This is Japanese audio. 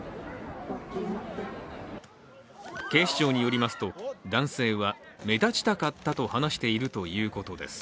警視庁によりますと、男性は目立ちたかったと話しているということです。